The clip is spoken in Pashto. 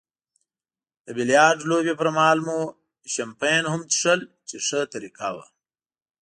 د بیلیارډ لوبې پرمهال مو شیمپین هم څیښل چې ښه طریقه وه.